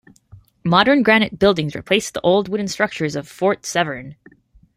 Modern granite buildings replaced the old wooden structures of Fort Severn.